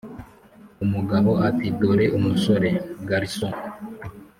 umugabo ati" dore umusore(garçon,)